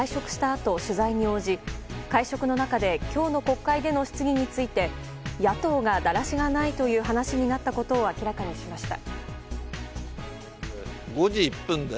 あと取材に応じ会食の中で今日の国会での質疑について野党がだらしがないという話になったことを明らかにしました。